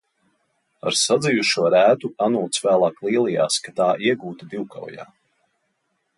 Ar sadzijušo rētu Anūts vēlāk lielījās, ka tā iegūta divkaujā.